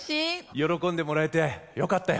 喜んでもらえてよかったよ。